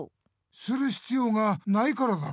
するひつようがないからだろ。